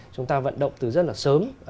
chúng ta vận động từ rất là sớm